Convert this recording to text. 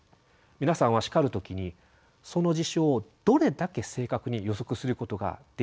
皆さんは叱る時にその事象をどれだけ正確に予測することができているでしょうか？